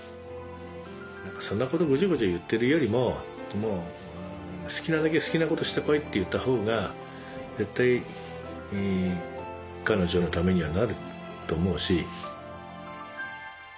何かそんなことゴチャゴチャ言ってるよりも「好きなだけ好きなことして来い」って言ったほうが絶対彼女のためにはなると思うし。